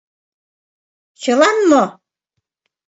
— Чылан мо?